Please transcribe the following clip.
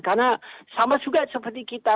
karena sama juga seperti kita